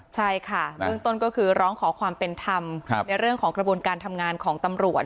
ใช่ค่ะเบื้องต้นก็คือร้องขอความเป็นธรรมในเรื่องของกระบวนการทำงานของตำรวจ